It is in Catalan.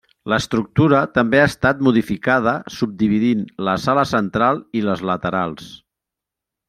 L'estructura també ha estat modificada subdividint la sala central i les laterals.